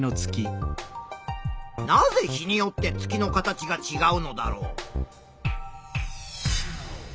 なぜ日によって月の形がちがうのだろう？